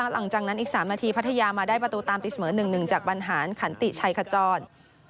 หลังจากนั้นอีก๓นาทีพัทยามาได้ประตูตามตีเสมอ๑๑จากบรรหารขันติชัยขจร